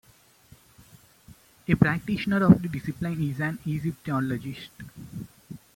A practitioner of the discipline is an "Egyptologist".